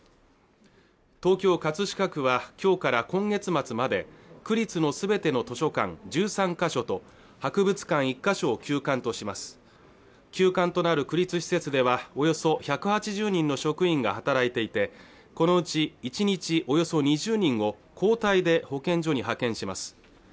東京葛飾区はきょうから今月末まで区立のすべての図書館１３か所と博物館１か所を休館とします休館となる区立施設ではおよそ１８０人の職員が働いていてこのうち１日およそ２０人を交代で保健所に派遣します